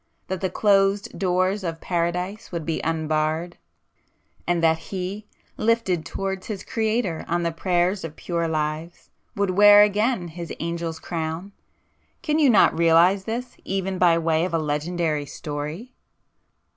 —that the closed doors of Paradise would be unbarred—and that he, lifted towards his Creator on the prayers of pure lives, would wear again his Angel's crown? Can you not realize this, even by way of a legendary story?"